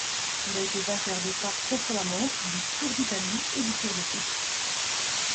Il a été vainqueur d'étapes contre-la-montre du Tour d'Italie et du Tour de Suisse.